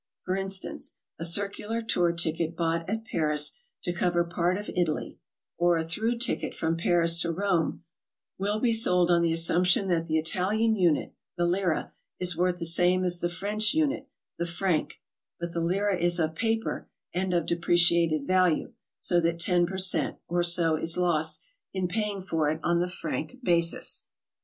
For instance, a circular tour ticket bought at Paris 68 GOING ABROAD? to cover part of Italy, or a through ticket from Paris to Rome, will be sold on the assumption that the Italian unit, the lira, is worth the same as the French unit, the franc, but the lira is of paper and of depreciated value, so that lo per cent, or so is lost in paying for it on the franc basis.